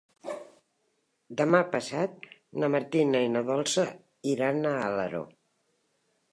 Demà passat na Martina i na Dolça iran a Alaró.